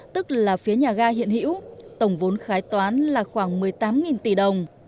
tức là phía nhà ga hiện hữu tổng vốn khái toán là khoảng một mươi tám tỷ đồng